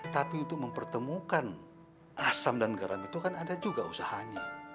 tapi untuk mempertemukan asam dan garam itu kan ada juga usahanya